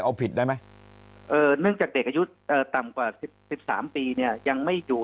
เอาผิดได้ไหมเนื่องจากเด็กอายุต่ำกว่า๑๓ปีเนี่ยยังไม่อยู่